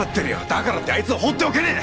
だからってあいつを放っておけねえ！